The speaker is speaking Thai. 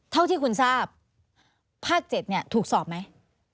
เท่าที่คุณทราบภาค๗ถูกสอบไหม